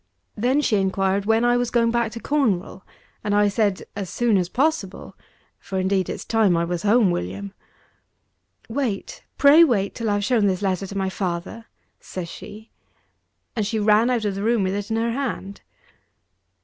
Then she inquired when I was going back to Cornwall; and I said, "as soon as possible," (for indeed, it's time I was home, William). "Wait; pray wait till I have shown this letter to my father!" says she. And she ran out of the room with it in her hand.